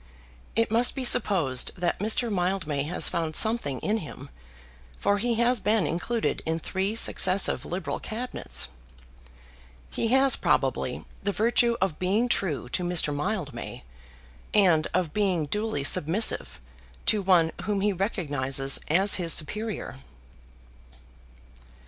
It must be supposed that Mr. Mildmay has found something in him, for he has been included in three successive liberal Cabinets. He has probably the virtue of being true to Mr. Mildmay, and of being duly submissive to one whom he recognises as his superior.